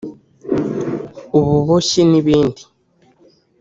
ububoshyi n’ibindi